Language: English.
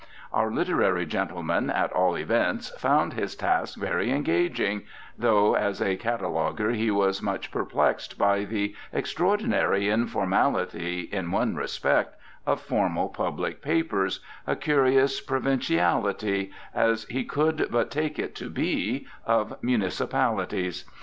Our literary gentleman, at all events, found his task very engaging, though as a cataloguer he was much perplexed by the extraordinary informality, in one respect, of formal public papers, a curious provinciality, as he could but take it to be, of municipalities.